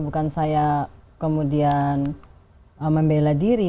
bukan saya kemudian membela diri